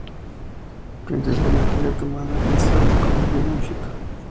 Princesa del Imperio otomano y princesa consorte del Reino de Egipto.